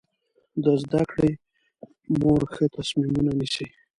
د زده کړې مور ښه تصمیمونه نیسي.